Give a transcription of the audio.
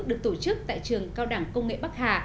được tổ chức tại trường cao đẳng công nghệ bắc hà